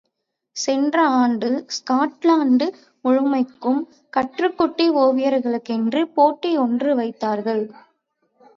சென்ற ஆண்டு, ஸ்காட்லாண்டு முழுமைக்கும் கற்றுக்குட்டி ஒவியர்களுக்கென்று போட்டி யொன்று வைத்தார்கள்.